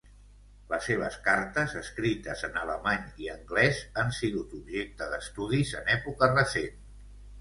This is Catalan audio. Les seves cartes escrites en alemany i anglès, han sigut objecte d'estudis en època recent.